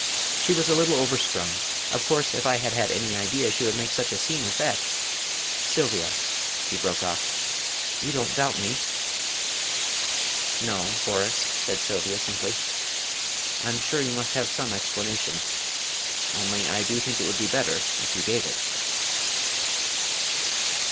"She was a little overstrung. Of course, if I had had any idea she would make such a scene as that Sylvia," he broke off, "you don't doubt me?" "No, Horace," said Sylvia, simply, "I'm sure you must have some explanation only I do think it would be better if you gave it."